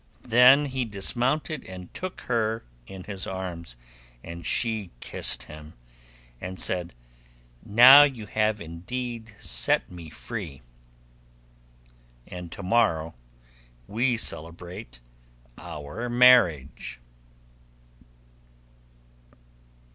Then he dismounted and took her in his arms; and she kissed him, and said, 'Now you have indeed set me free, and tomorrow we will celebrate our marriage.